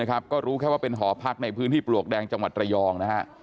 ก็รู้ว่าแค่เป็นหอพักในพื้นที่ปลวกแดงจังหวัดตรยอง